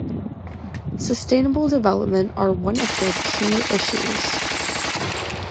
Sustainable development are one of their key issues.